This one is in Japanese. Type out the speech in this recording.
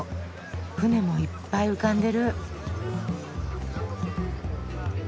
船もいっぱい浮かんでる。